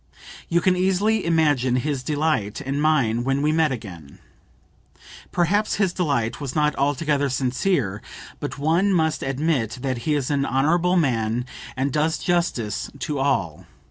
You can easily imagine his delight and mine when we met again. Perhaps his delight was not altogether sincere, but one must admit that he is an honorable man and does justice to all.